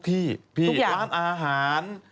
เป็นไปด้าย